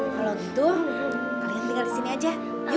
kalau gitu kalian tinggal disini aja